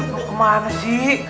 lu kemana sih